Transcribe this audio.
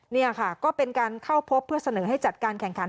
นี่ค่ะก็เป็นการเข้าพบเพื่อเสนอให้จัดการแข่งขัน